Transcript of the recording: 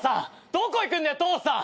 どこ行くんだよ父さん！